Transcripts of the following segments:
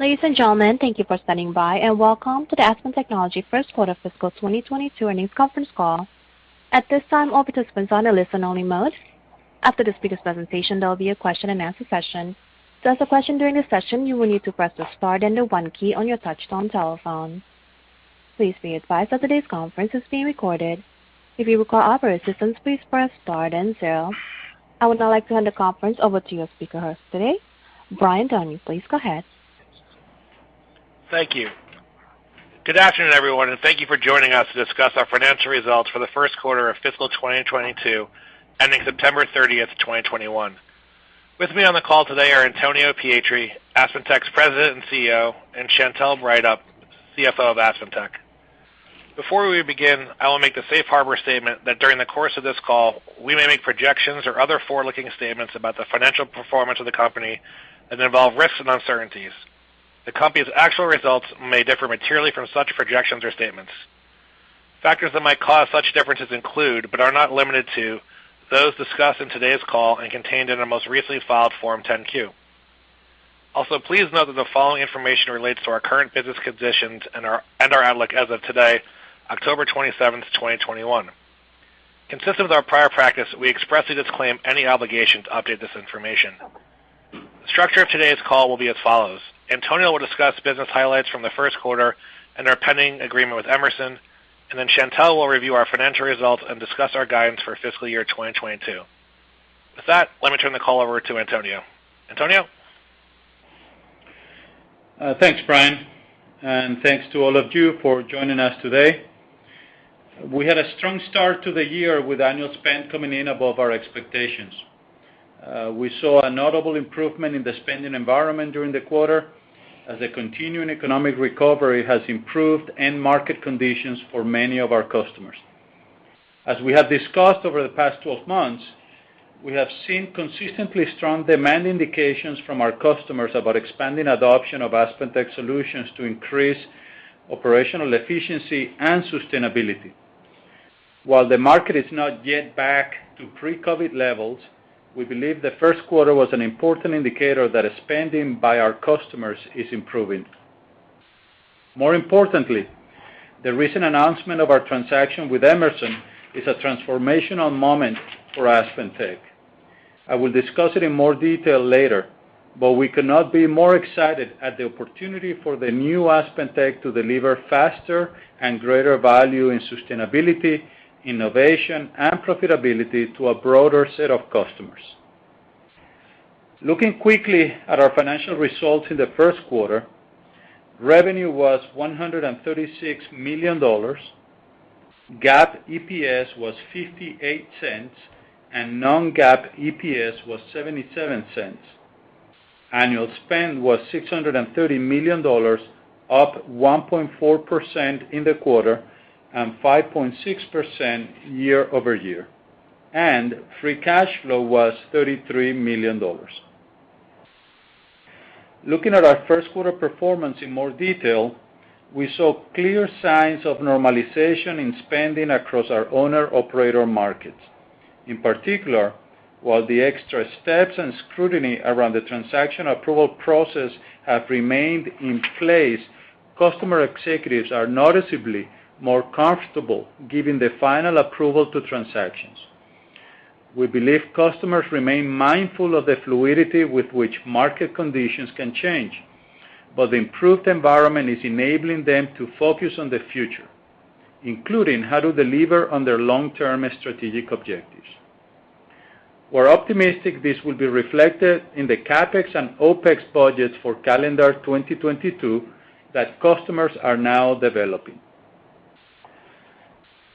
Ladies and gentlemen, thank you for standing by, and welcome to the Aspen Technology first quarter fiscal 2022 earnings conference call. At this time, all participants are on a listen-only mode. After the speaker's presentation, there'll be a question-and-answer session. To ask a question during this session, you will need to press the star, then the one key on your touchtone telephone. Please be advised that today's conference is being recorded. If you require operator assistance, please press star then zero. I would now like to hand the conference over to your speaker host today, Brian Downey. Please go ahead. Thank you. Good afternoon, everyone, and thank you for joining us to discuss our financial results for the first quarter of fiscal 2022, ending September 30, 2021. With me on the call today are Antonio Pietri, AspenTech's President and CEO, and Chantelle Breithaupt, CFO of AspenTech. Before we begin, I will make the safe harbor statement that during the course of this call, we may make projections or other forward-looking statements about the financial performance of the company that involve risks and uncertainties. The company's actual results may differ materially from such projections or statements. Factors that might cause such differences include, but are not limited to, those discussed in today's call and contained in our most recently filed Form 10-Q. Also, please note that the following information relates to our current business conditions and our outlook as of today, October 27, 2021. Consistent with our prior practice, we expressly disclaim any obligation to update this information. The structure of today's call will be as follows. Antonio will discuss business highlights from the first quarter and our pending agreement with Emerson, and then Chantelle will review our financial results and discuss our guidance for fiscal year 2022. With that, let me turn the call over to Antonio. Antonio? Thanks, Brian, and thanks to all of you for joining us today. We had a strong start to the year with annual spend coming in above our expectations. We saw a notable improvement in the spending environment during the quarter as the continuing economic recovery has improved end market conditions for many of our customers. As we have discussed over the past 12 months, we have seen consistently strong demand indications from our customers about expanding adoption of AspenTech solutions to increase operational efficiency and sustainability. While the market is not yet back to pre-COVID levels, we believe the first quarter was an important indicator that spending by our customers is improving. More importantly, the recent announcement of our transaction with Emerson is a transformational moment for AspenTech. I will discuss it in more detail later, but we could not be more excited at the opportunity for the new AspenTech to deliver faster and greater value in sustainability, innovation, and profitability to a broader set of customers. Looking quickly at our financial results in the first quarter, revenue was $136 million, GAAP EPS was $0.58, and non-GAAP EPS was $0.77. Annual spend was $630 million, up 1.4% in the quarter and 5.6% year-over-year. Free cash flow was $33 million. Looking at our first quarter performance in more detail, we saw clear signs of normalization in spending across our owner/operator markets. In particular, while the extra steps and scrutiny around the transaction approval process have remained in place, customer executives are noticeably more comfortable giving the final approval to transactions. We believe customers remain mindful of the fluidity with which market conditions can change, but the improved environment is enabling them to focus on the future, including how to deliver on their long-term strategic objectives. We're optimistic this will be reflected in the CapEx and OpEx budgets for calendar 2022 that customers are now developing.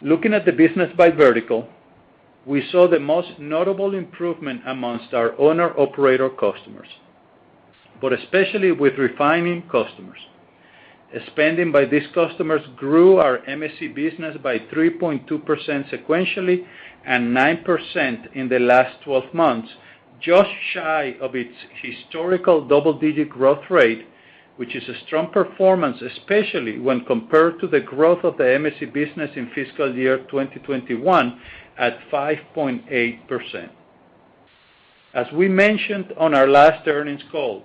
Looking at the business by vertical, we saw the most notable improvement among our owner/operator customers, but especially with refining customers. Spending by these customers grew our MSC business by 3.2% sequentially and 9% in the last 12 months, just shy of its historical double-digit growth rate, which is a strong performance, especially when compared to the growth of the MSC business in fiscal year 2021 at 5.8%. As we mentioned on our last earnings call,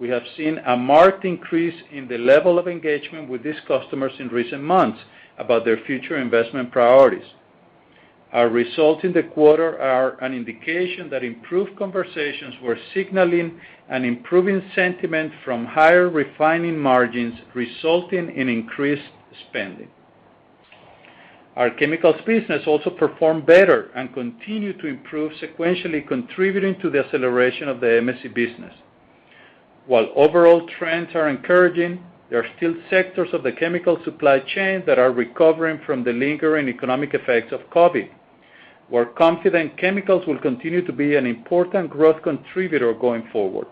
we have seen a marked increase in the level of engagement with these customers in recent months about their future investment priorities. Our results in the quarter are an indication that improved conversations were signaling an improving sentiment from higher refining margins, resulting in increased spending. Our chemicals business also performed better and continued to improve sequentially, contributing to the acceleration of the MSC business. While overall trends are encouraging, there are still sectors of the chemical supply chain that are recovering from the lingering economic effects of COVID. We're confident chemicals will continue to be an important growth contributor going forward.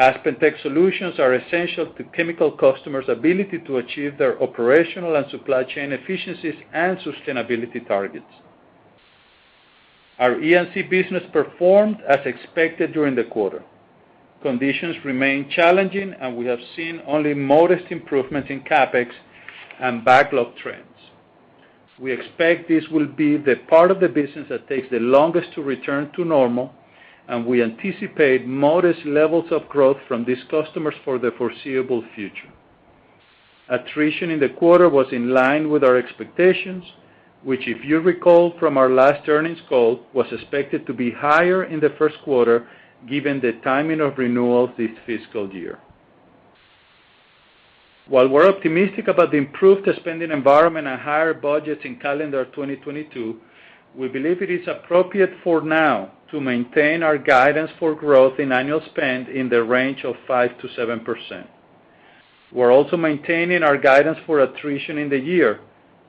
AspenTech solutions are essential to chemical customers' ability to achieve their operational and supply chain efficiencies and sustainability targets. Our E&C business performed as expected during the quarter. Conditions remain challenging, and we have seen only modest improvements in CapEx and backlog trends. We expect this will be the part of the business that takes the longest to return to normal, and we anticipate modest levels of growth from these customers for the foreseeable future. Attrition in the quarter was in line with our expectations, which if you recall from our last earnings call, was expected to be higher in the first quarter given the timing of renewals this fiscal year. While we're optimistic about the improved spending environment and higher budgets in calendar 2022, we believe it is appropriate for now to maintain our guidance for growth in annual spend in the range of 5% to 7%. We're also maintaining our guidance for attrition in the year,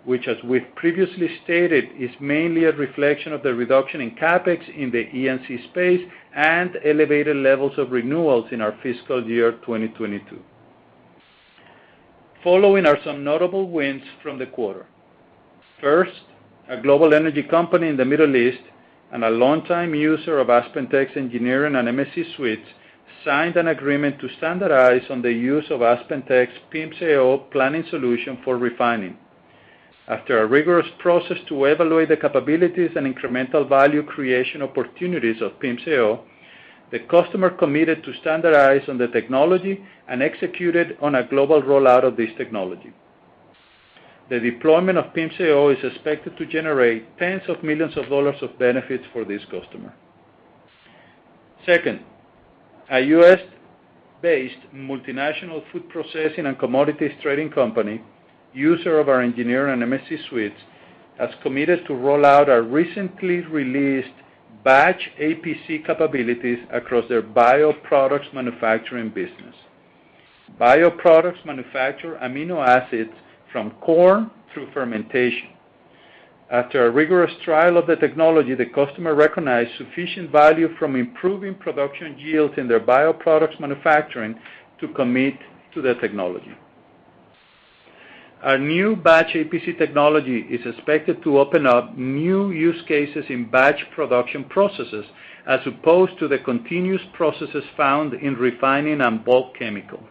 which as we've previously stated, is mainly a reflection of the reduction in CapEx in the E&C space and elevated levels of renewals in our fiscal year 2022. Following are some notable wins from the quarter. First, a global energy company in the Middle East and a long time user of AspenTech's engineering and MSC suites signed an agreement to standardize on the use of AspenTech's PIMS-AO planning solution for refining. After a rigorous process to evaluate the capabilities and incremental value creation opportunities of PIMS-AO, the customer committed to standardize on the technology and executed on a global rollout of this technology. The deployment of PIMS-AO is expected to generate $10,000,000 of benefits for this customer. Second, a U.S. based multinational food processing and commodities trading company, user of our engineering and MSC suites, has committed to roll out our recently released Batch APC capabilities across their bioproducts manufacturing business. Bioproducts manufacture amino acids from corn through fermentation. After a rigorous trial of the technology, the customer recognized sufficient value from improving production yields in their bioproducts manufacturing to commit to the technology. Our new Batch APC technology is expected to open up new use cases in batch production processes, as opposed to the continuous processes found in refining and bulk chemicals.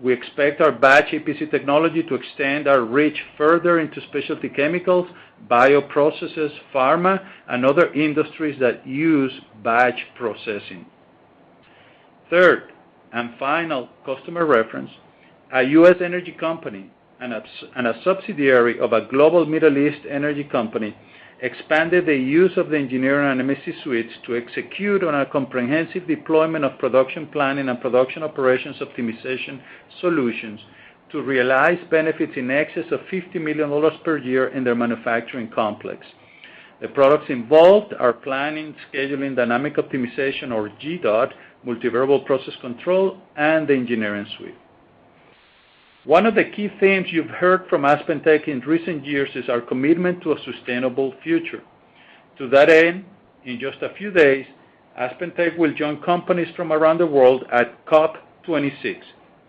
We expect our Batch APC technology to extend our reach further into specialty chemicals, bioprocesses, pharma, and other industries that use batch processing. Third and final customer reference, a U.S. energy company and a subsidiary of a global Middle East energy company expanded the use of the engineering and MSC suites to execute on a comprehensive deployment of production planning and production operations optimization solutions to realize benefits in excess of $50 million per year in their manufacturing complex. The products involved are planning, scheduling, dynamic optimization or GDOT, multivariable process control, and the engineering suite. One of the key themes you've heard from AspenTech in recent years is our commitment to a sustainable future. To that end, in just a few days, AspenTech will join companies from around the world at COP26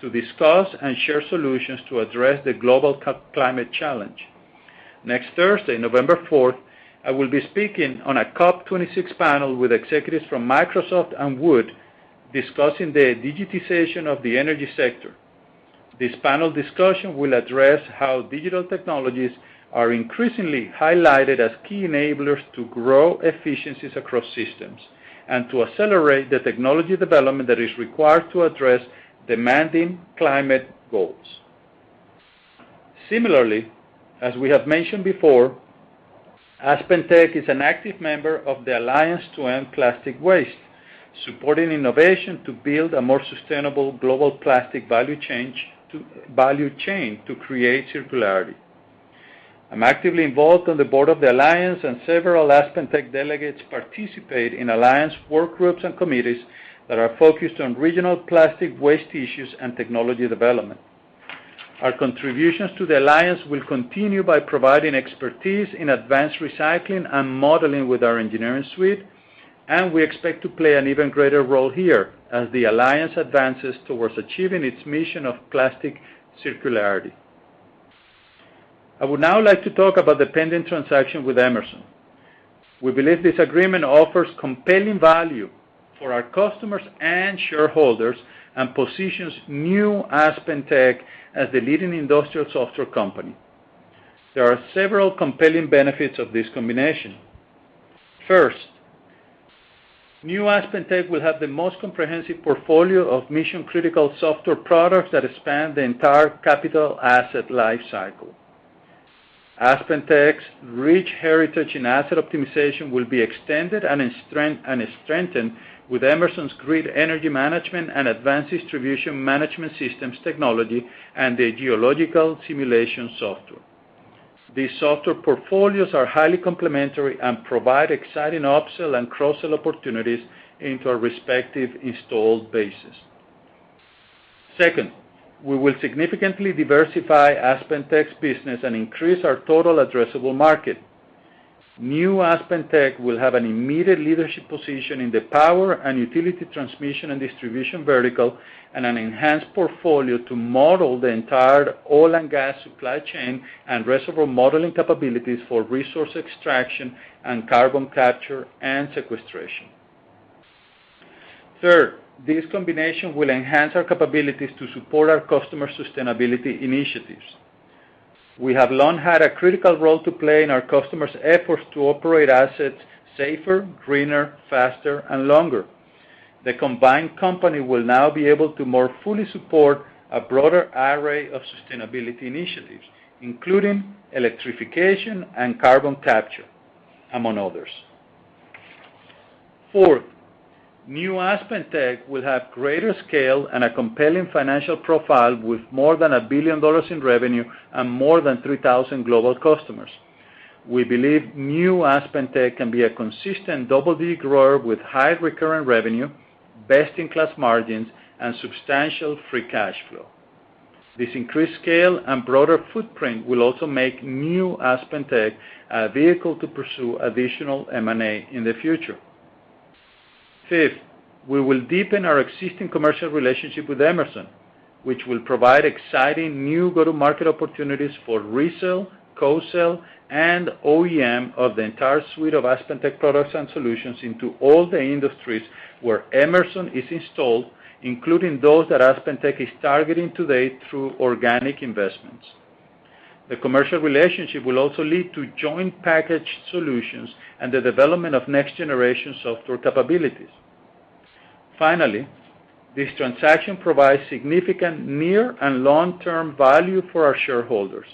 to discuss and share solutions to address the global climate challenge. Next Thursday, November 4, I will be speaking on a COP26 panel with executives from Microsoft and Wood, discussing the digitization of the energy sector. This panel discussion will address how digital technologies are increasingly highlighted as key enablers to grow efficiencies across systems and to accelerate the technology development that is required to address demanding climate goals. Similarly, as we have mentioned before, AspenTech is an active member of the Alliance to End Plastic Waste, supporting innovation to build a more sustainable global plastic value chain to create circularity. I'm actively involved on the board of the alliance, and several AspenTech delegates participate in alliance work groups and committees that are focused on regional plastic waste issues and technology development. Our contributions to the alliance will continue by providing expertise in advanced recycling and modeling with our engineering suite, and we expect to play an even greater role here as the alliance advances towards achieving its mission of plastic circularity. I would now like to talk about the pending transaction with Emerson. We believe this agreement offers compelling value for our customers and shareholders and positions new AspenTech as the leading industrial software company. There are several compelling benefits of this combination. First, new AspenTech will have the most comprehensive portfolio of mission-critical software products that span the entire capital asset life cycle. AspenTech's rich heritage in asset optimization will be extended and strengthened with Emerson's grid energy management and advanced distribution management systems technology and the geological simulation software. These software portfolios are highly complementary and provide exciting upsell and cross-sell opportunities into our respective installed bases. Second, we will significantly diversify AspenTech's business and increase our total addressable market. New AspenTech will have an immediate leadership position in the power and utility transmission and distribution vertical and an enhanced portfolio to model the entire oil and gas supply chain and reservoir modeling capabilities for resource extraction and carbon capture and sequestration. Third, this combination will enhance our capabilities to support our customers' sustainability initiatives. We have long had a critical role to play in our customers' efforts to operate assets safer, greener, faster, and longer. The combined company will now be able to more fully support a broader array of sustainability initiatives, including electrification and carbon capture, among others. Fourth, new AspenTech will have greater scale and a compelling financial profile with more than $1 billion in revenue and more than 3,000 global customers. We believe new AspenTech can be a consistent double-digit grower with high recurrent revenue, best-in-class margins, and substantial free cash flow. This increased scale and broader footprint will also make new AspenTech a vehicle to pursue additional M&A in the future. Fifth, we will deepen our existing commercial relationship with Emerson, which will provide exciting new go-to-market opportunities for resale, co-sell, and OEM of the entire suite of AspenTech products and solutions into all the industries where Emerson is installed, including those that AspenTech is targeting today through organic investments. The commercial relationship will also lead to joint packaged solutions and the development of next-generation software capabilities. Finally, this transaction provides significant near and long-term value for our shareholders.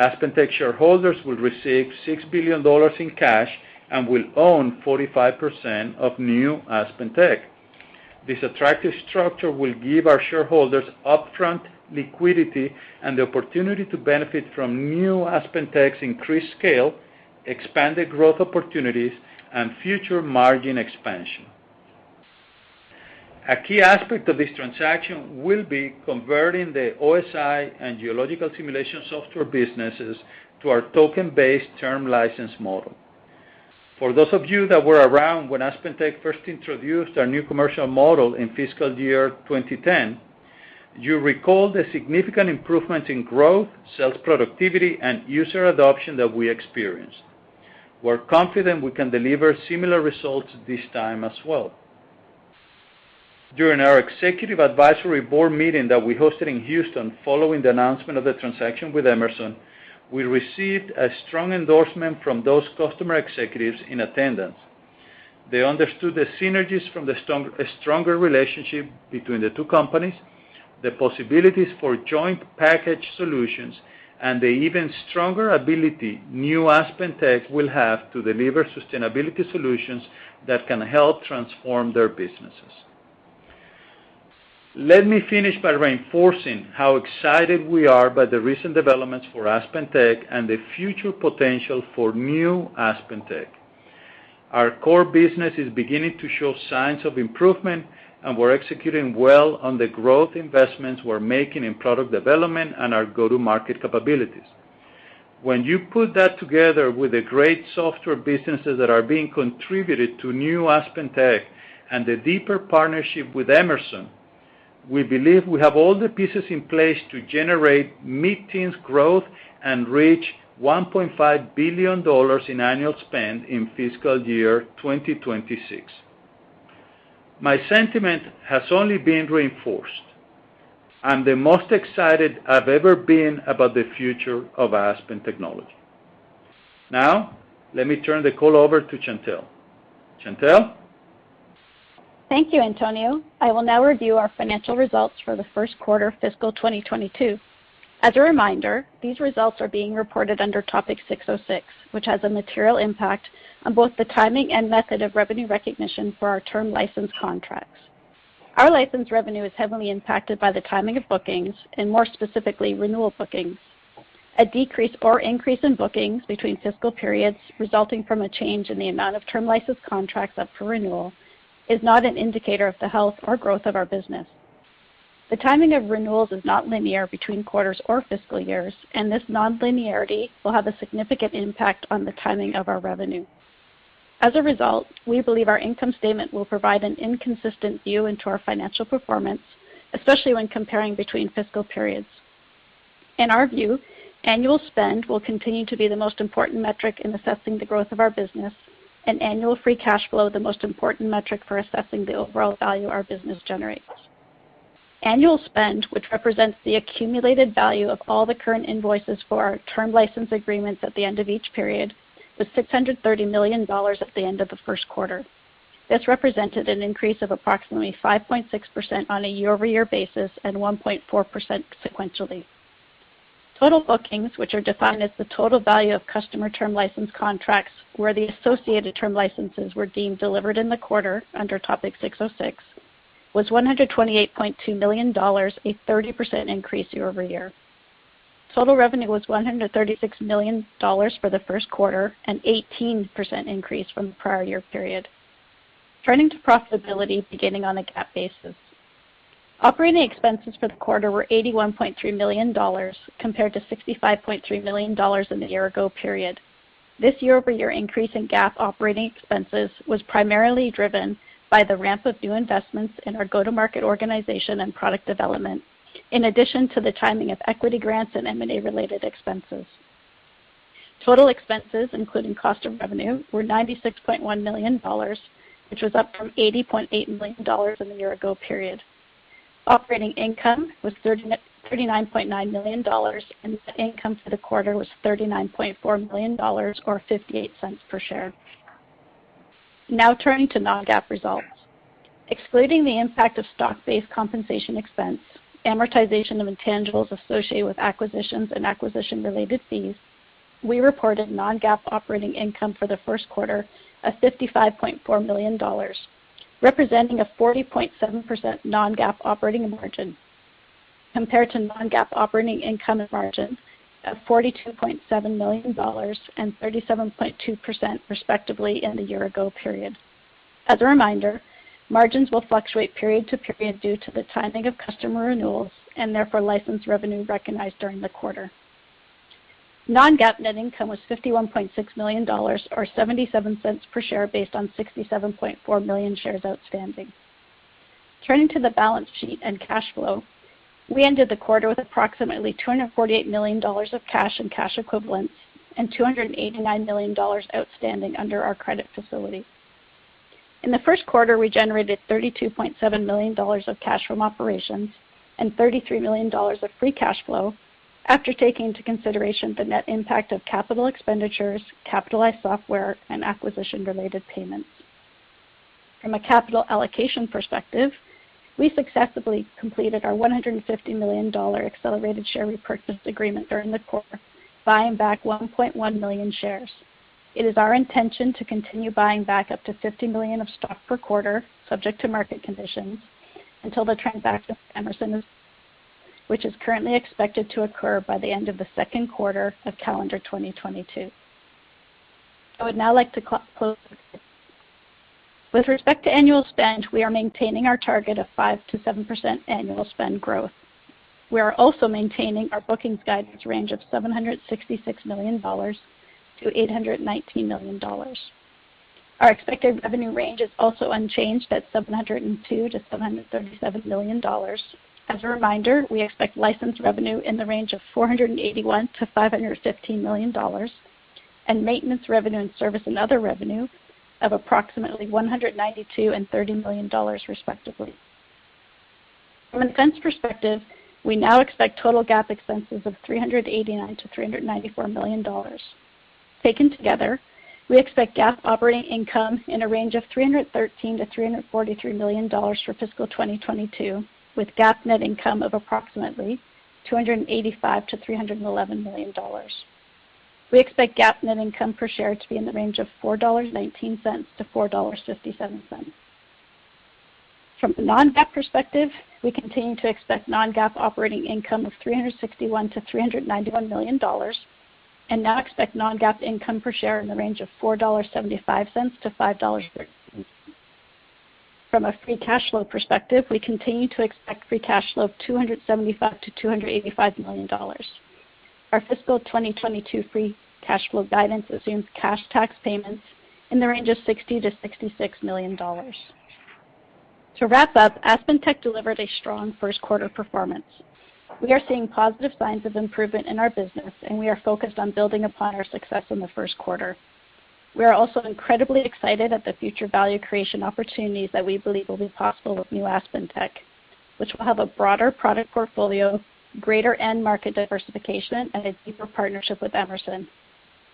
AspenTech shareholders will receive $6 billion in cash and will own 45% of new AspenTech. This attractive structure will give our shareholders upfront liquidity and the opportunity to benefit from new AspenTech's increased scale, expanded growth opportunities, and future margin expansion. A key aspect of this transaction will be converting the OSI and Geological Simulation Software businesses to our token-based term license model. For those of you that were around when AspenTech first introduced our new commercial model in fiscal year 2010, you recall the significant improvement in growth, sales productivity, and user adoption that we experienced. We're confident we can deliver similar results this time as well. During our executive advisory board meeting that we hosted in Houston following the announcement of the transaction with Emerson, we received a strong endorsement from those customer executives in attendance. They understood the synergies from a stronger relationship between the two companies, the possibilities for joint packaged solutions, and the even stronger ability new AspenTech will have to deliver sustainability solutions that can help transform their businesses. Let me finish by reinforcing how excited we are by the recent developments for AspenTech and the future potential for new AspenTech. Our core business is beginning to show signs of improvement, and we're executing well on the growth investments we're making in product development and our go-to-market capabilities. When you put that together with the great software businesses that are being contributed to new AspenTech and the deeper partnership with Emerson, we believe we have all the pieces in place to generate mid-teens growth and reach $1.5 billion in annual spend in fiscal year 2026. My sentiment has only been reinforced. I'm the most excited I've ever been about the future of Aspen Technology. Now, let me turn the call over to Chantelle. Chantelle? Thank you, Antonio. I will now review our financial results for the first quarter of fiscal 2022. As a reminder, these results are being reported under Topic 606, which has a material impact on both the timing and method of revenue recognition for our term license contracts. Our license revenue is heavily impacted by the timing of bookings and, more specifically, renewal bookings. A decrease or increase in bookings between fiscal periods resulting from a change in the amount of term license contracts up for renewal is not an indicator of the health or growth of our business. The timing of renewals is not linear between quarters or fiscal years, and this non-linearity will have a significant impact on the timing of our revenue. As a result, we believe our income statement will provide an inconsistent view into our financial performance, especially when comparing between fiscal periods. In our view, annual spend will continue to be the most important metric in assessing the growth of our business and annual free cash flow, the most important metric for assessing the overall value our business generates. Annual spend, which represents the accumulated value of all the current invoices for our term license agreements at the end of each period, was $630 million at the end of the first quarter. This represented an increase of approximately 5.6% on a year-over-year basis and 1.4% sequentially. Total bookings, which are defined as the total value of customer term license contracts where the associated term licenses were deemed delivered in the quarter under Topic 606, was $128.2 million, a 30% increase year-over-year. Total revenue was $136 million for the first quarter, an 18% increase from the prior year period. Turning to profitability beginning on a GAAP basis. Operating expenses for the quarter were $81.3 million compared to $65.3 million in the year ago period. This year-over-year increase in GAAP operating expenses was primarily driven by the ramp of new investments in our go-to-market organization and product development, in addition to the timing of equity grants and M&A-related expenses. Total expenses, including cost of revenue, were $96.1 million, which was up from $80.8 million in the year ago period. Operating income was $39.9 million, and net income for the quarter was $39.4 million, or $0.58 per share. Now turning to non-GAAP results. Excluding the impact of stock-based compensation expense, amortization of intangibles associated with acquisitions and acquisition-related fees, we reported non-GAAP operating income for the first quarter of $55.4 million, representing a 40.7% non-GAAP operating margin compared to non-GAAP operating income and margin of $42.7 million and 37.2% respectively in the year ago period. As a reminder, margins will fluctuate period to period due to the timing of customer renewals and therefore license revenue recognized during the quarter. Non-GAAP net income was $51.6 million, or $0.77 per share based on 67.4 million shares outstanding. Turning to the balance sheet and cash flow, we ended the quarter with approximately $248 million of cash and cash equivalents, and $289 million outstanding under our credit facility. In the first quarter, we generated $32.7 million of cash from operations and $33 million of free cash flow after taking into consideration the net impact of capital expenditures, capitalized software, and acquisition-related payments. From a capital allocation perspective, we successfully completed our $150 million accelerated share repurchase agreement during the quarter, buying back 1.1 million shares. It is our intention to continue buying back up to $50 million of stock per quarter, subject to market conditions, until the transaction with Emerson is, which is currently expected to occur by the end of the second quarter of calendar 2022. I would now like to close with this. With respect to annual spend, we are maintaining our target of 5%-7% annual spend growth. We are also maintaining our bookings guidance range of $766 million to $819 million. Our expected revenue range is also unchanged at $702 million to $737 million. As a reminder, we expect license revenue in the range of $481 million to $515 million, and maintenance revenue and service and other revenue of approximately $192 million and $30 million, respectively. From an expense perspective, we now expect total GAAP expenses of $389 million to $394 million. Taken together, we expect GAAP operating income in a range of $313 million to $343 million for fiscal 2022, with GAAP net income of approximately $285 million to $311 million. We expect GAAP net income per share to be in the range of $4.19 to $4.57. From a non-GAAP perspective, we continue to expect non-GAAP operating income of $361 million to $391 million, and now expect non-GAAP income per share in the range of $4.75 to $5.13. From a free cash flow perspective, we continue to expect free cash flow of $275 million to $285 million. Our fiscal 2022 free cash flow guidance assumes cash tax payments in the range of $60 million to $66 million. To wrap up, AspenTech delivered a strong first quarter performance. We are seeing positive signs of improvement in our business, and we are focused on building upon our success in the first quarter. We are also incredibly excited at the future value creation opportunities that we believe will be possible with new AspenTech, which will have a broader product portfolio, greater end market diversification, and a deeper partnership with Emerson.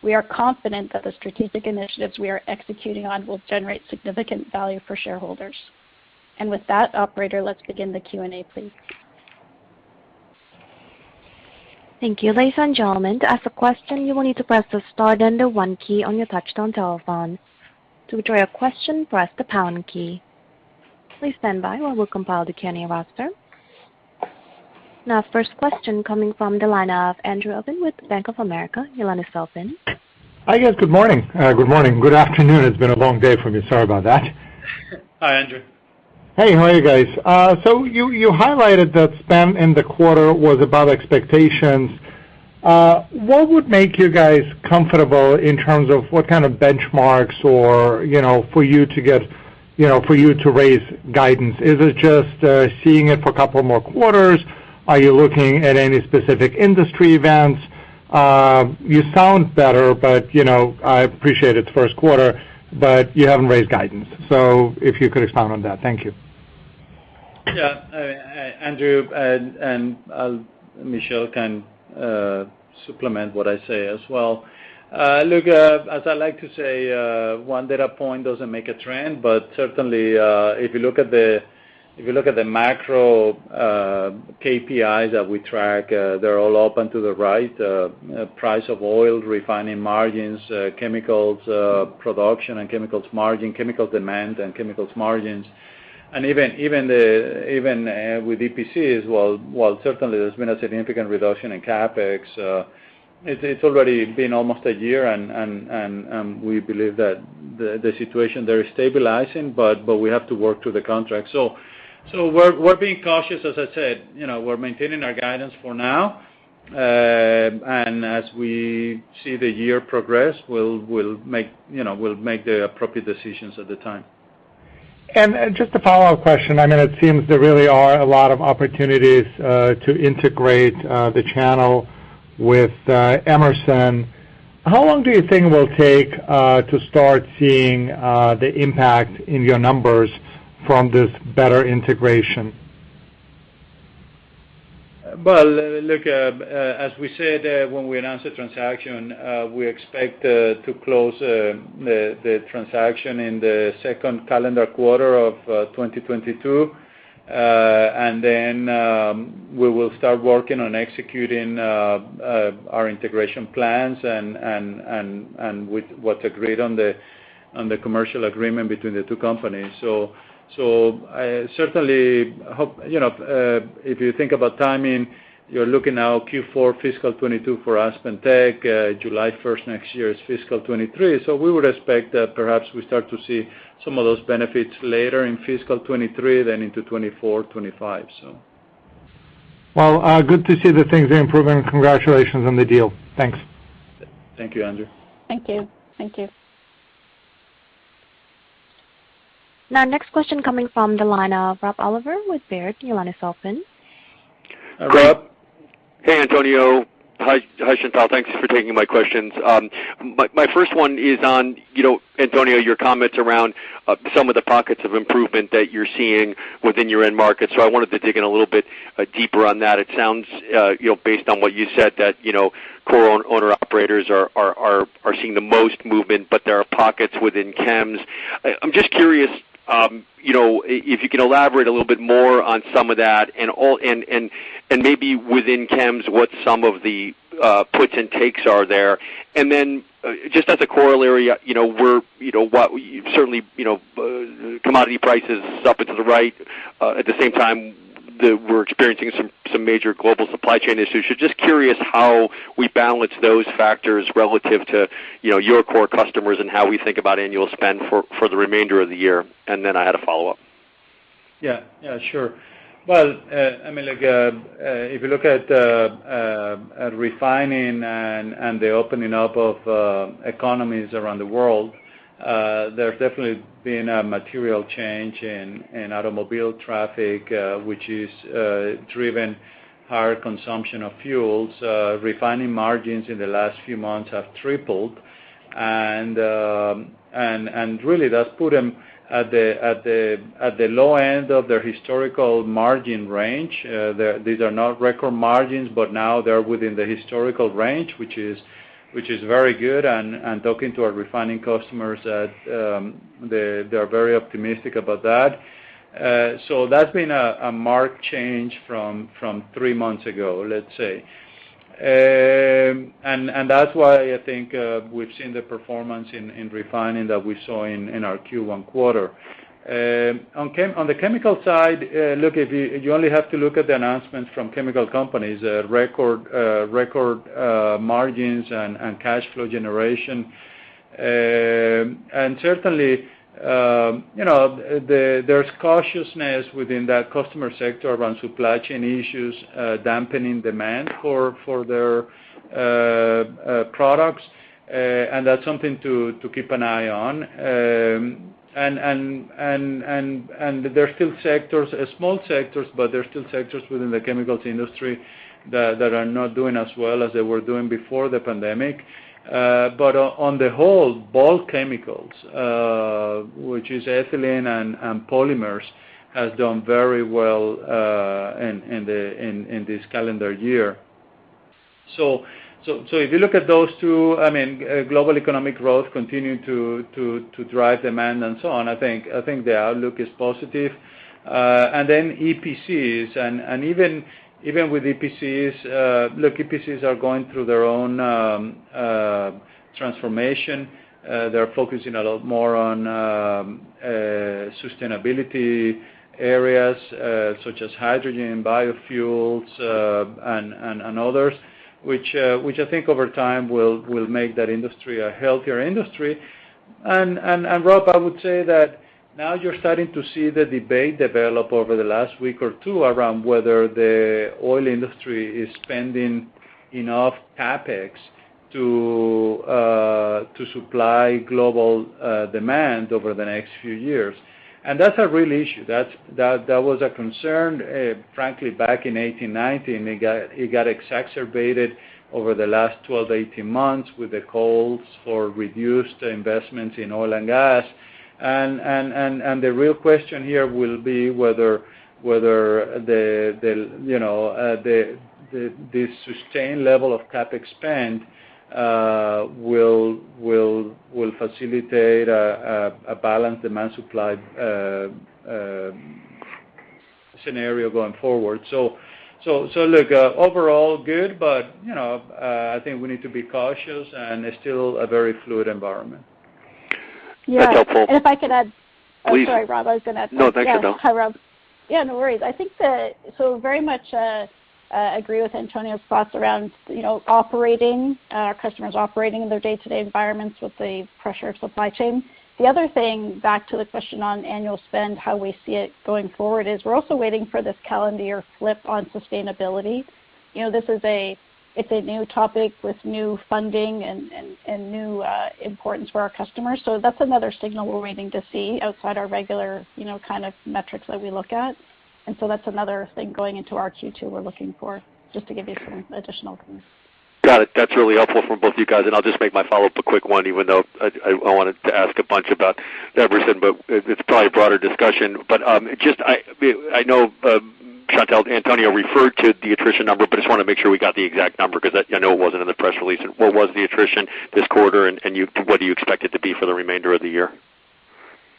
We are confident that the strategic initiatives we are executing on will generate significant value for shareholders. With that, operator, let's begin the Q&A, please. Thank you. Ladies and gentlemen, to ask a question, you will need to press the star then the one key on your touchtone telephone. To withdraw your question, press the pound key. Please stand by while we compile the Q&A roster. Now, first question coming from the line of Andrew Obin with Bank of America. You'll now be heard. Hi, guys. Good morning. Good morning, good afternoon. It's been a long day for me. Sorry about that. Hi, Andrew. Hey, how are you guys? So you highlighted that spend in the quarter was above expectations. What would make you guys comfortable in terms of what kind of benchmarks or, you know, for you to raise guidance? Is it just seeing it for a couple more quarters? Are you looking at any specific industry events? You sound better, but, you know, I appreciate it's first quarter, but you haven't raised guidance. If you could expound on that. Thank you. Yeah. Andrew and Chantelle can supplement what I say as well. Look, as I like to say, one data point doesn't make a trend. But certainly, if you look at the macro KPIs that we track, they're all open to the right, price of oil, refining margins, chemicals production and chemicals margin, chemicals demand and chemicals margins. Even with EPCs, while certainly there's been a significant reduction in CapEx, it's already been almost a year and we believe that the situation there is stabilizing, but we have to work through the contract. So we're being cautious, as I said. You know, we're maintaining our guidance for now. As we see the year progress, we'll make, you know, the appropriate decisions at the time. And just a follow-up question. I mean, it seems there really are a lot of opportunities to integrate the channel with Emerson. How long do you think it will take to start seeing the impact in your numbers from this better integration? Well, look, as we said when we announced the transaction, we expect to close the transaction in the second calendar quarter of 2022. And then, we will start working on executing our integration plans and with what's agreed on the commercial agreement between the two companies. So, I certainly hope, you know, if you think about timing, you're looking now Q4 fiscal 2022 for AspenTech. July first next year is fiscal 2023. We would expect that perhaps we start to see some of those benefits later in fiscal 2023, then into 2024, 2025, so. Well, good to see that things are improving. Congratulations on the deal. Thanks. Thank you, Andrew. Thank you. Thank you. Now, next question coming from the line of Rob Oliver with Baird. Your line is open. Rob. Hey, Antonio. Hi, Chantelle. Thanks for taking my questions. My first one is on, you know, Antonio, your comments around some of the pockets of improvement that you're seeing within your end market. I wanted to dig in a little bit deeper on that. It sounds, you know, based on what you said, that, you know, core owner-operators are seeing the most movement, but there are pockets within chems. I'm just curious, you know, if you could elaborate a little bit more on some of that and maybe within chems, what some of the puts and takes are there. And then just as a corollary, you know, we're, you know, what, certainly, you know, commodity prices is up and to the right. We're experiencing some major global supply chain issues. Just curious how we balance those factors relative to, you know, your core customers and how we think about annual spend for the remainder of the year. Then I had a follow-up. Yeah, yeah, sure. Well, I mean, like, if you look at refining and the opening up of economies around the world, there's definitely been a material change in automobile traffic, which has driven higher consumption of fuels. Refining margins in the last few months have tripled. And really that's put them at the low end of their historical margin range. These are not record margins, but now they're within the historical range, which is very good. Talking to our refining customers, they are very optimistic about that. So that's been a marked change from three months ago, let's say. That's why I think we've seen the performance in refining that we saw in our Q1 quarter. On the chemical side, you only have to look at the announcements from chemical companies, record margins and cash flow generation. Certainly, you know, there's cautiousness within that customer sector around supply chain issues dampening demand for their products. That's something to keep an eye on. There are still sectors, small sectors, but there are still sectors within the chemicals industry that are not doing as well as they were doing before the pandemic. On the whole, bulk chemicals, which is ethylene and polymers, has done very well in this calendar year. So if you look at those two, I mean, global economic growth continuing to drive demand and so on, I think the outlook is positive. Then EPCs. Even with EPCs, look, EPCs are going through their own transformation. They're focusing a lot more on sustainability areas, such as hydrogen and biofuels, and others, which I think over time will make that industry a healthier industry. And Rob, I would say that now you're starting to see the debate develop over the last week or two around whether the oil industry is spending enough CapEx to supply global demand over the next few years. That's a real issue. That was a concern frankly back in 2018 to 2019. It got exacerbated over the last 12 to 18 months with the calls for reduced investments in oil and gas. The real question here will be whether the you know the sustained level of CapEx spend will facilitate a balanced demand supply scenario going forward. So, look overall good, but you know I think we need to be cautious, and it's still a very fluid environment. That's helpful. Yeah. If I could add. Please. Oh, sorry, Rob. I was gonna add something. No, thank you, Chantelle. Yeah. Hi, Rob. Yeah, no worries. I think so very much agree with Antonio's thoughts around, you know, operating customers operating in their day-to-day environments with the pressure of supply chain. The other thing, back to the question on annual spend, how we see it going forward, is we're also waiting for this calendar year flip on sustainability. You know, this is a new topic with new funding and new importance for our customers. That's another signal we're waiting to see outside our regular, you know, kind of metrics that we look at. That's another thing going into our Q2 we're looking for, just to give you some additional things. Got it. That's really helpful from both you guys, and I'll just make my follow-up a quick one, even though I wanted to ask a bunch about Emerson, but it's probably a broader discussion. Just I know, Chantelle, Antonio referred to the attrition number, but I just wanna make sure we got the exact number because I know it wasn't in the press release. What was the attrition this quarter and what do you expect it to be for the remainder of the year?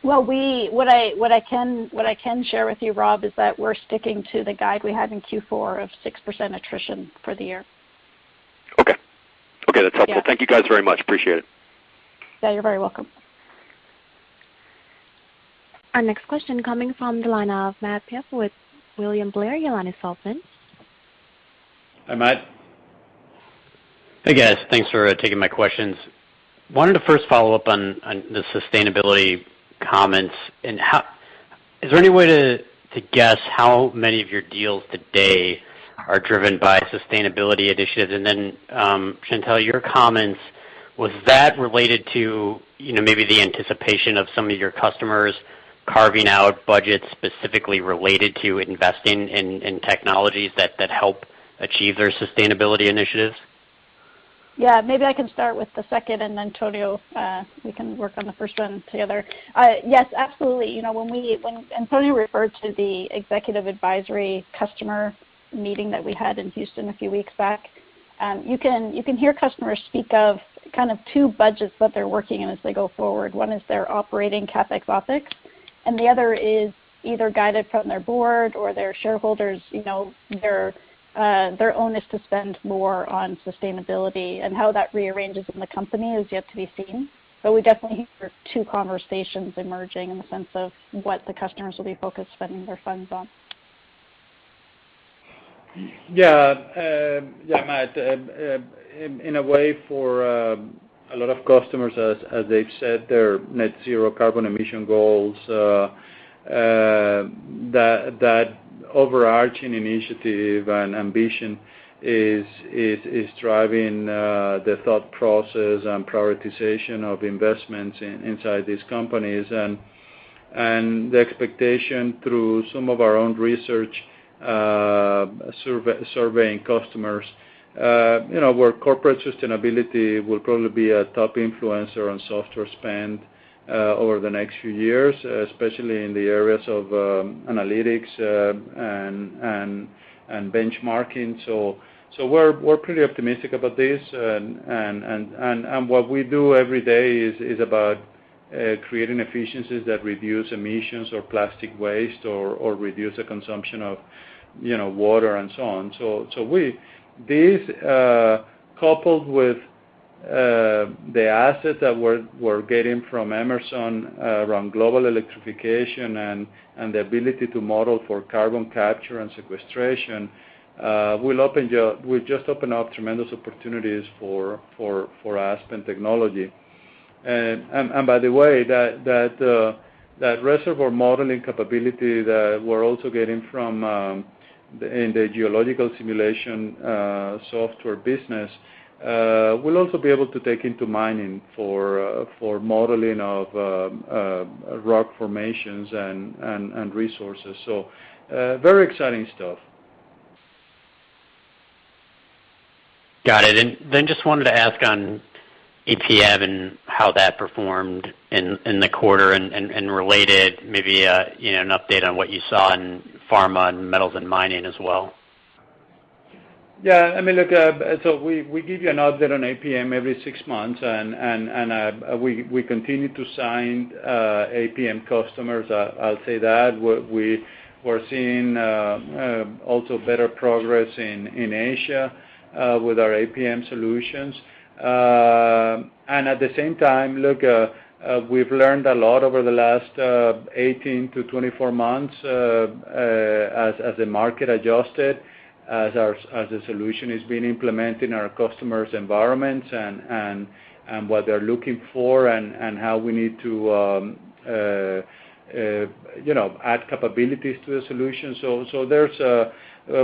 Well we, what I can share with you, Rob, is that we're sticking to the guide we had in Q4 of 6% attrition for the year. Okay. Okay, that's helpful. Yeah. Thank you guys very much. Appreciate it. Yeah, you're very welcome. Our next question coming from the line of Matthew Pfau with William Blair. Your line is open. Hi, Matt. Hey, guys. Thanks for taking my questions. Wanted to first follow up on the sustainability comments, and how is there any way to guess how many of your deals today are driven by sustainability initiatives? Chantelle, your comments, was that related to, you know, maybe the anticipation of some of your customers carving out budgets specifically related to investing in technologies that help achieve their sustainability initiatives? Yeah, maybe I can start with the second, and then Antonio, we can work on the first one together. Yes, absolutely. You know, and Antonio referred to the executive advisory customer meeting that we had in Houston a few weeks back, you can hear customers speak of kind of two budgets that they're working in as they go forward. One is their operating CapEx, OpEx, and the other is either guided from their board or their shareholders, you know, their own is to spend more on sustainability, and how that rearranges in the company is yet to be seen. We definitely hear two conversations emerging in the sense of what the customers will be focused spending their funds on. Yeah, Matt. In a way, for a lot of customers as they've set their net-zero carbon emissions goals, that overarching initiative and ambition is driving the thought process and prioritization of investments inside these companies. The expectation through some of our own research, surveying customers, you know, where corporate sustainability will probably be a top influencer on software spend over the next few years, especially in the areas of analytics and benchmarking. So we're pretty optimistic about this. What we do every day is about creating efficiencies that reduce emissions or plastic waste or reduce the consumption of, you know, water and so on. These, coupled with the assets that we're getting from Emerson around global electrification and the ability to model for carbon capture and sequestration, will just open up tremendous opportunities for Aspen Technology. By the way, that reservoir modeling capability that we're also getting from Emerson in the Geological Simulation Software business, we'll also be able to take into mining for modeling of rock formations and resources. Very exciting stuff. Got it. Just wanted to ask on APM and how that performed in the quarter and related maybe, you know, an update on what you saw in pharma and metals and mining as well. Yeah, I mean, look, so we give you an update on APM every six months and we continue to sign APM customers. I'll say that we're seeing also better progress in Asia with our APM solutions. And at the same time, look, we've learned a lot over the last 18 to 24 months as the market adjusted, as the solution is being implemented in our customers' environments and what they're looking for and how we need to, you know, add capabilities to the solution. So there's a,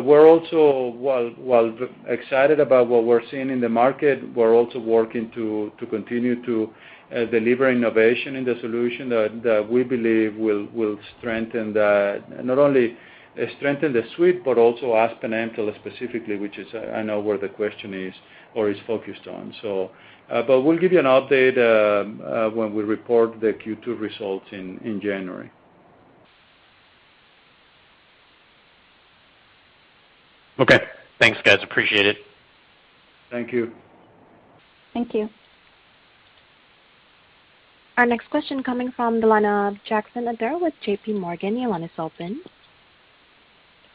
we're also, while excited about what we're seeing in the market, we're also working to continue to deliver innovation in the solution that we believe will strengthen the. Not only strengthen the suite, but also Aspen Mtell specifically, which is, I know, where the question is or is focused on. We'll give you an update when we report the Q2 results in January. Okay. Thanks, guys. Appreciate it. Thank you. Thank you. Our next question coming from the line of Jackson Ader with J.P. Morgan. Your line is open.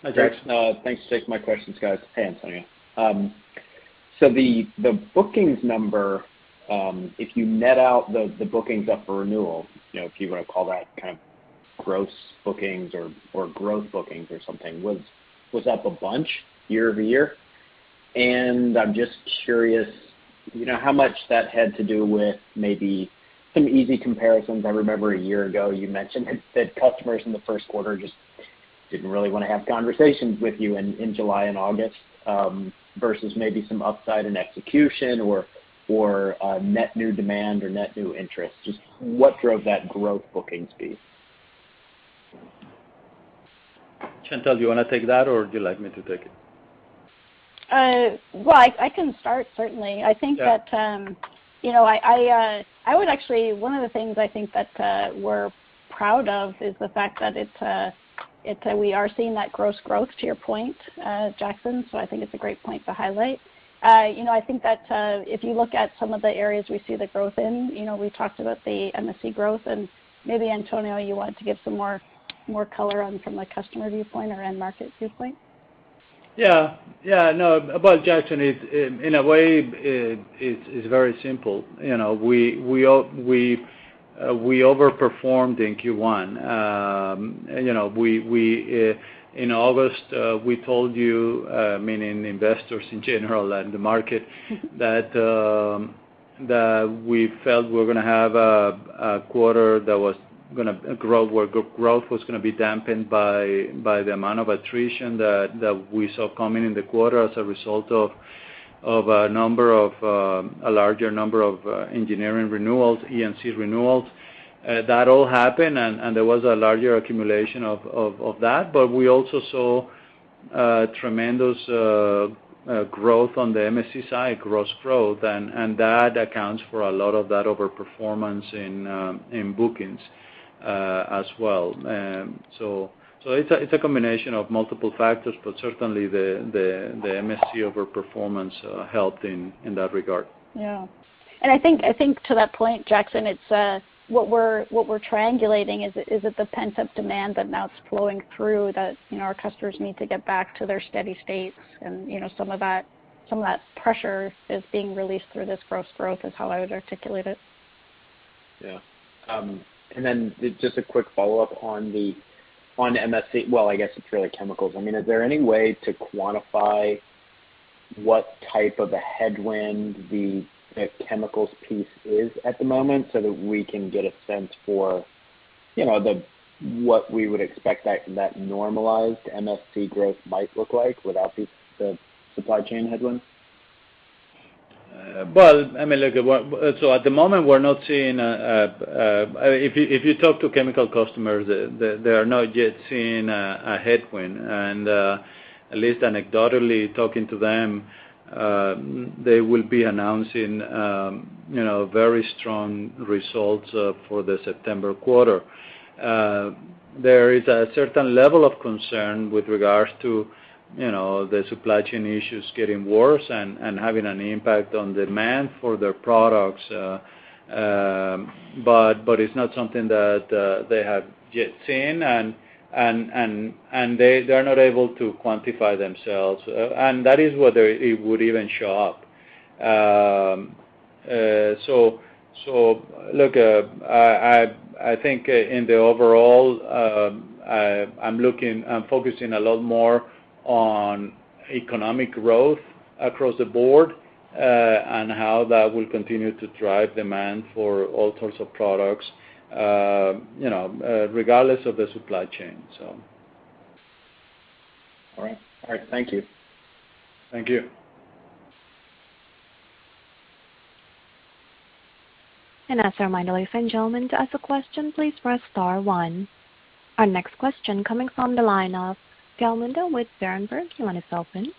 Hi, Jackson. Thanks for taking my questions, guys. Hey, Antonio. So the bookings number, if you net out the bookings up for renewal, you know, if you wanna call that kind of gross bookings or growth bookings or something, was up a bunch year-over-year. And i'm just curious, you know, how much that had to do with maybe some easy comparisons. I remember a year ago you mentioned that customers in the first quarter just didn't really wanna have conversations with you in July and August versus maybe some upside in execution or net new demand or net new interest. Just what drove that growth bookings beat? Chantelle, do you wanna take that or would you like me to take it? Well, I can start, certainly. Yeah. I think that, you know, one of the things I think that we're proud of is the fact that it's, we are seeing that gross growth to your point, Jackson. I think it's a great point to highlight. You know, I think that if you look at some of the areas we see the growth in, you know, we talked about the MSC growth, and maybe, Antonio, you want to give some more color on from a customer viewpoint or end market viewpoint. Yeah. Yeah, no. Jackson, in a way, it's very simple. You know, we overperformed in Q1. You know, we, in August, we told you, meaning investors in general and the market, that we felt we're gonna have a quarter that was gonna grow, where growth was gonna be dampened by the amount of attrition that we saw coming in the quarter as a result of a larger number of engineering renewals, E&C renewals. That all happened and there was a larger accumulation of that. But we also saw tremendous growth on the MSC side, gross growth, and that accounts for a lot of that overperformance in bookings as well. It's a combination of multiple factors, but certainly the MSC overperformance helped in that regard. Yeah. I think to that point, Jackson, it's what we're triangulating is the pent-up demand that now it's flowing through that, you know, our customers need to get back to their steady states and, you know, some of that pressure is being released through this gross growth, is how I would articulate it. Yeah. And then just a quick follow-up on MSC. Well, I guess it's really chemicals. I mean, is there any way to quantify what type of a headwind the chemicals piece is at the moment so that we can get a sense for you know what we would expect that normalized MSC growth might look like without these supply chain headwinds? Well, I mean, look, at the moment, we're not seeing. I mean, if you talk to chemical customers, they are not yet seeing a headwind. At least anecdotally talking to them, they will be announcing, you know, very strong results for the September quarter. There is a certain level of concern with regards to, you know, the supply chain issues getting worse and having an impact on demand for their products, but it's not something that they have yet seen and they're not able to quantify themselves. That is whether it would even show up. So, I think in the overall, I'm focusing a lot more on economic growth across the board, and how that will continue to drive demand for all sorts of products, you know, regardless of the supply chain. All right. Thank you. Thank you. As a reminder, ladies and gentlemen, to ask a question, please press star one. Our next question coming from the line of Gal Munda with Berenberg. Your line is open.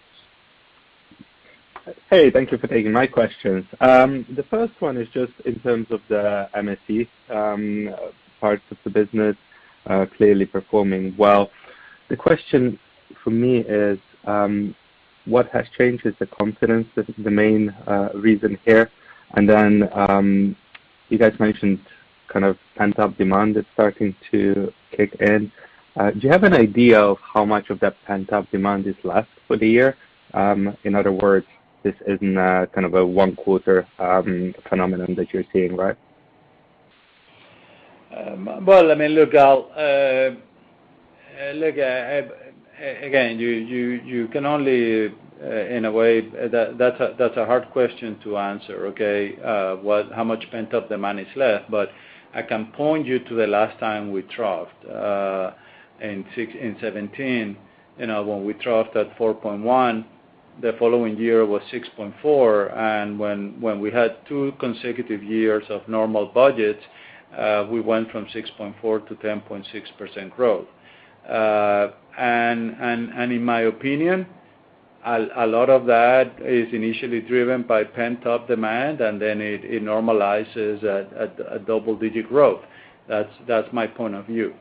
Hey, thank you for taking my questions. The first one is just in terms of the MSC, parts of the business, clearly performing well. The question for me is, what has changed? Is the confidence the main reason here? And then, you guys mentioned kind of pent-up demand is starting to kick in. Do you have an idea of how much of that pent-up demand is left for the year? In other words, this isn't a kind of a one-quarter phenomenon that you're seeing, right? Well, I mean, look, Gal, look, again, you can only in a way. That's a hard question to answer, okay? How much pent-up demand is left. I can point you to the last time we troughed in 2017. You know, when we troughed at 4.1%, the following year was 6.4%, and when we had two consecutive years of normal budgets, we went from 6.4% to 10.6% growth. And in my opinion, a lot of that is initially driven by pent-up demand, and then it normalizes at double-digit growth. That's my point of view.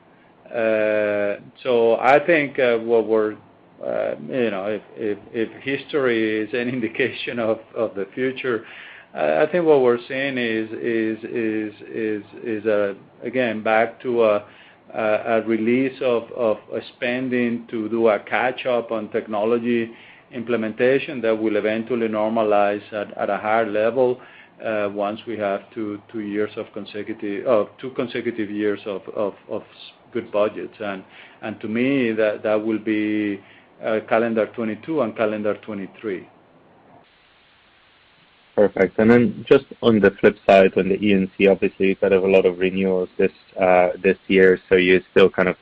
So, I think what we're, you know, if history is any indication of the future, I think what we're seeing is, again, back to a release of spending to do a catch-up on technology implementation that will eventually normalize at a higher level, once we have two consecutive years of good budgets. To me, that will be calendar 2022 and calendar 2023. Perfect. Then just on the flip side, on the E&C, obviously, you kind of have a lot of renewals this year, so you're still kind of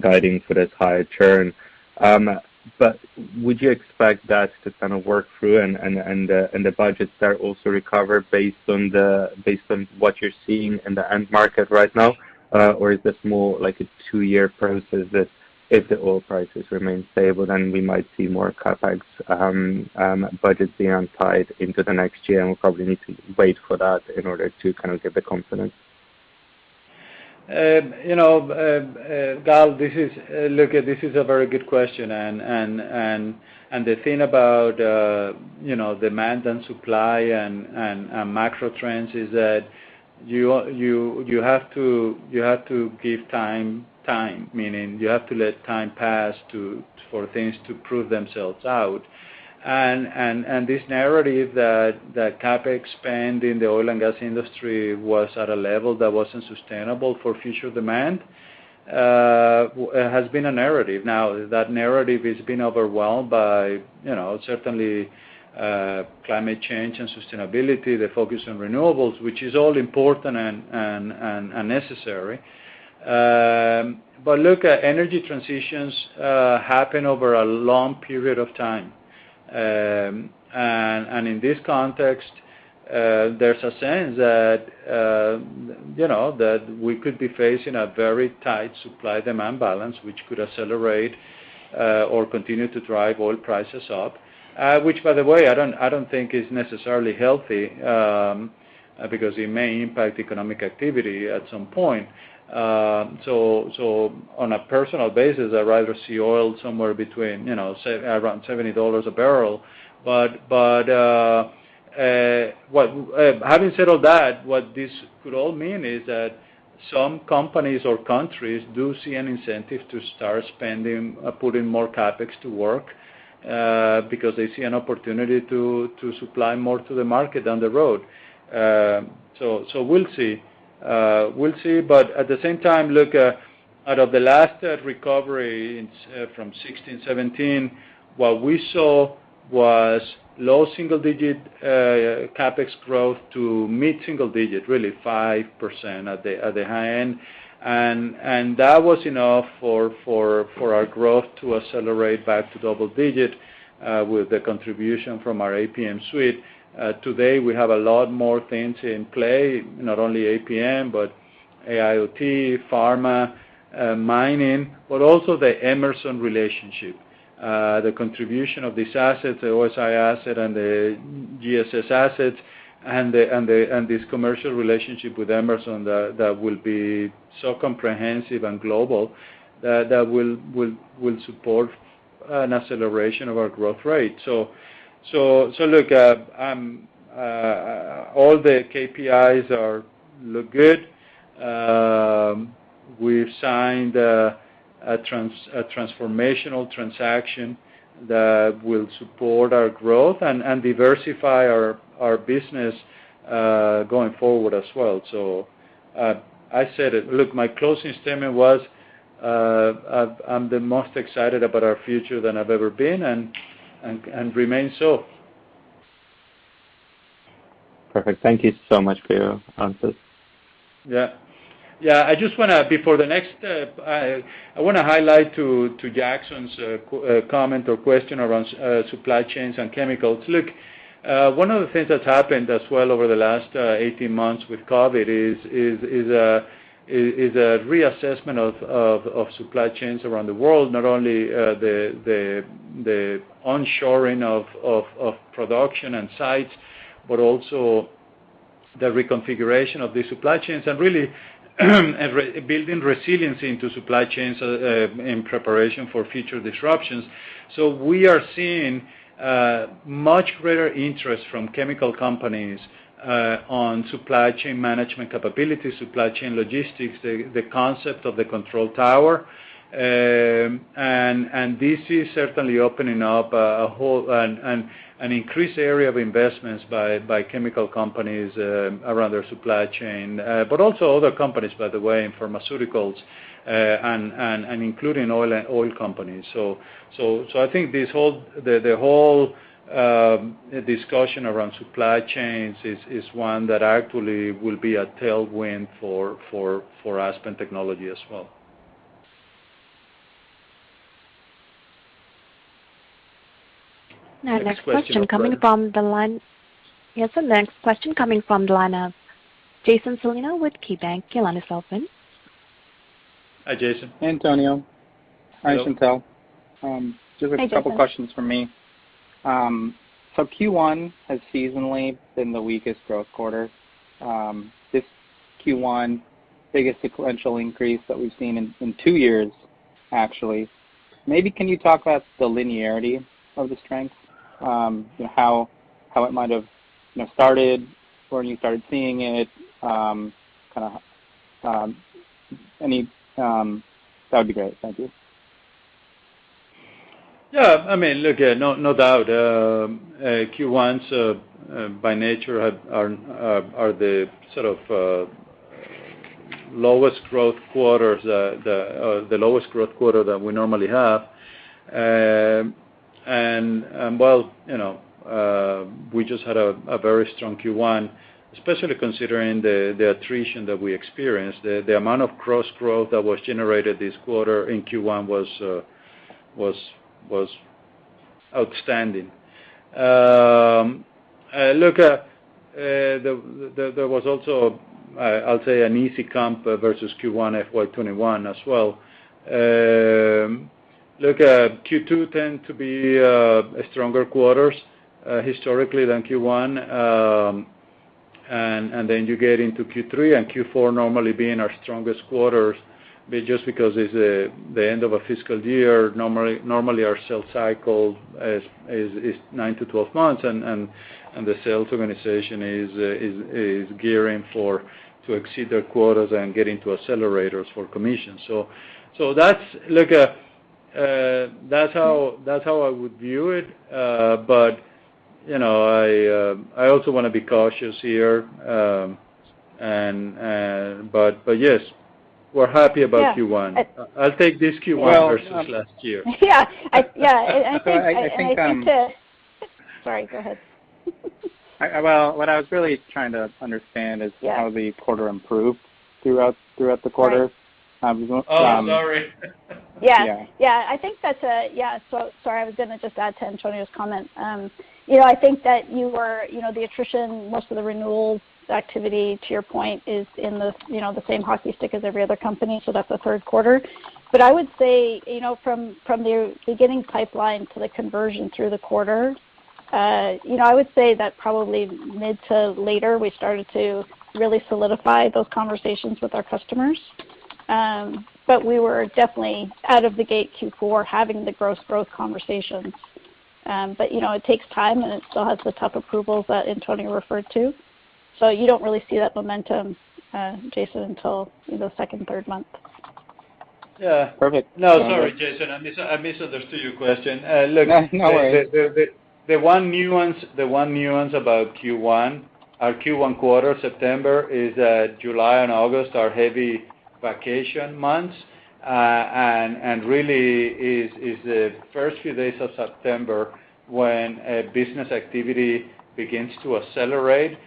guiding for this higher turn. But would you expect that to kind of work through and the budgets there also recover based on what you're seeing in the end market right now? Or is this more like a two-year process that if the oil prices remain stable, then we might see more CapEx budgets being untied into the next year, and we'll probably need to wait for that in order to kind of get the confidence? You know, Gal, this is a very good question. And the thing about, you know, demand and supply and macro trends is that you have to give time. Meaning you have to let time pass for things to prove themselves out. This narrative that CapEx spend in the oil and gas industry was at a level that wasn't sustainable for future demand has been a narrative. Now, that narrative has been overwhelmed by, you know, certainly, climate change and sustainability, the focus on renewables, which is all important and necessary. Look, energy transitions happen over a long period of time. And in this context, there's a sense that, you know, that we could be facing a very tight supply-demand balance, which could accelerate or continue to drive oil prices up. Which by the way, I don't think is necessarily healthy, because it may impact economic activity at some point. So, on a personal basis, I'd rather see oil somewhere between, you know, say, around $70 a barrel. Having said all that, what this could all mean is that some companies or countries do see an incentive to start spending, putting more CapEx to work, because they see an opportunity to supply more to the market down the road. We'll see. At the same time, look, out of the last recovery from 2016, 2017, what we saw was low single-digit CapEx growth to mid-single-digit, really 5% at the high end. That was enough for our growth to accelerate back to double-digit with the contribution from our APM suite. Today, we have a lot more things in play, not only APM, but AIoT, pharma, mining, but also the Emerson relationship. The contribution of these assets, the OSI asset and the GSS assets and this commercial relationship with Emerson that will be so comprehensive and global that will support an acceleration of our growth rate. Look, all the KPIs look good. We've signed a transformational transaction that will support our growth and diversify our business going forward as well. I said it. Look, my closing statement was, I'm the most excited about our future than I've ever been and remain so. Perfect. Thank you so much for your answers. Yeah. I just wanna, before the next, I wanna highlight to Jackson's comment or question around supply chains and chemicals. Look, one of the things that's happened as well over the last 18 months with COVID is a reassessment of supply chains around the world, not only the onshoring of production and sites, but also the reconfiguration of the supply chains and really rebuilding resiliency into supply chains in preparation for future disruptions. So we are seeing much greater interest from chemical companies on supply chain management capabilities, supply chain logistics, the concept of the control tower. And this is certainly opening up an increased area of investments by chemical companies around their supply chain. But also other companies, by the way, in pharmaceuticals, and including oil companies. I think this whole discussion around supply chains is one that actually will be a tailwind for Aspen Technology as well. Now, next question coming from the line. Next question, operator. Yes, the next question coming from the line of Jason Celino with KeyBanc. Your line is open. Hi, Jason. Hey, Antonio. Hi, Chantelle. Hi, Jason. Just a couple questions from me. Q1 has seasonally been the weakest growth quarter. This Q1 biggest sequential increase that we've seen in two years, actually. Maybe can you talk about the linearity of the strength, you know, how it might have, you know, started or when you started seeing it, kinda any. That'd be great. Thank you. Yeah. I mean, look, no doubt, Q1s by nature are the sort of lowest growth quarters, the lowest growth quarter that we normally have. And well, you know, we just had a very strong Q1, especially considering the attrition that we experienced. The amount of cross growth that was generated this quarter in Q1 was outstanding. Look, there was also, I'll say, an easy comp versus Q1 FY 2021 as well. Look, Q2 tend to be a stronger quarters historically than Q1. Then you get into Q3 and Q4 normally being our strongest quarters just because it's the end of a fiscal year. Normally our sales cycle is nine to 12 months and the sales organization is gearing to exceed their quotas and getting to accelerators for commissions. That's like that's how I would view it. But you know, I also wanna be cautious here. Yes, we're happy about Q1. Yeah. I'll take this Q1 versus last year. Yeah. I think. I think Sorry, go ahead. Well, what I was really trying to understand is. Yeah how the quarter improved throughout the quarter. Right. Um- Oh, sorry. Yeah. Yeah. I think that's. Sorry, I was gonna just add to Antonio's comment. You know, I think that you were, you know, the attrition, most of the renewals activity to your point is in the, you know, the same hockey stick as every other company, so that's the third quarter. But I would say, you know, from the beginning pipeline to the conversion through the quarter, you know, I would say that probably mid to later we started to really solidify those conversations with our customers. We were definitely out of the gate Q4 having the gross growth conversations. But you know, it takes time, and it still has the tough approvals that Antonio referred to. So you don't really see that momentum, Jason, until the second, third month. Yeah. Perfect. No, sorry, Jason, I misunderstood your question. No, no worries. The one nuance about Q1 quarter September is that July and August are heavy vacation months. Really is the first few days of September when business activity begins to accelerate.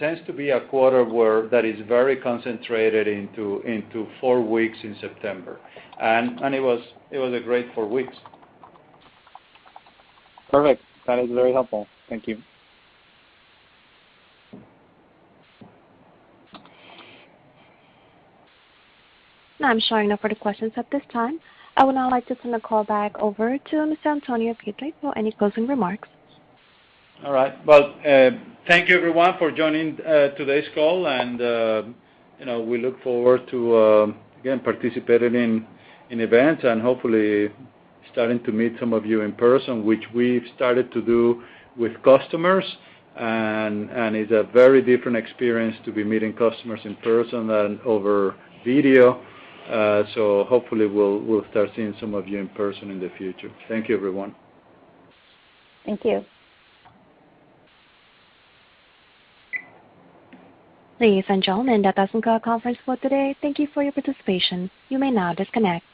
Tends to be a quarter where that is very concentrated into four weeks in September. It was a great four weeks. Perfect. That is very helpful. Thank you. Now I'm showing no further questions at this time. I would now like to turn the call back over to Mr. Antonio Pietri for any closing remarks. All right. Well, thank you everyone for joining today's call, and you know, we look forward to again participating in events and hopefully starting to meet some of you in person, which we've started to do with customers. It's a very different experience to be meeting customers in person than over video. So hopefully we'll start seeing some of you in person in the future. Thank you, everyone. Thank you. Ladies and gentlemen, that does end our conference call today. Thank you for your participation. You may now disconnect.